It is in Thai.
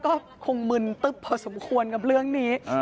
ก็คงมึนตึ๊บพอสมควรกับเรื่องนี้